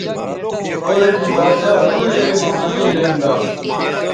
او ریٹھی با ڇھا روئ روئ مہ منے لیم گا